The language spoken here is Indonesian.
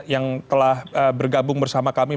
yang telah bergabung bersama kami